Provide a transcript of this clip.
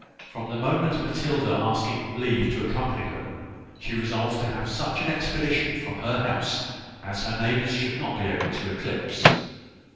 From the moment of Matilda's asking leave to accompany them, she resolved to have such an expedition from her house as her neighbours should not be able to eclipse.